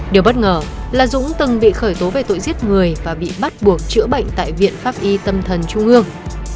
điều bất ngờ là dũng từng bị khởi tố về tội giết người và bị bắt buộc chữa bệnh tại viện pháp y tâm thần trung ương